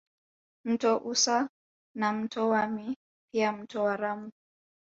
Mto Usa na mto Wami pia mto Waramu